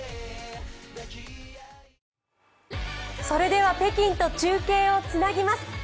それでは北京と中継をつなぎます。